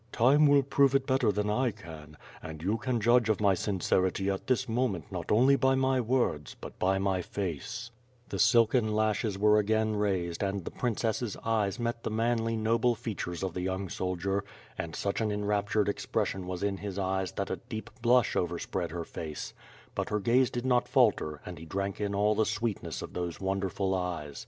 "Time will prove it better than 1 can, and you can judge of my sincerity at this moment not only by my words, but by my face/' The silken lashes were again raised and the princess's eyes met the manly noble features of the young soldier; and such an enraptured expression was in his eyes that a deep blush overspread her face; but her gaze did not falter and he drank in all the sweetness of those wonderful eyes.